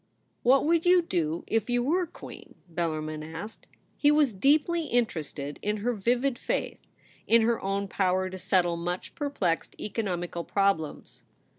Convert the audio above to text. HAT would you do if you were Queen ?' Bellarmin asked. He was deeply interested in her vivid faith — in her own power to settle much perplexed economical problems.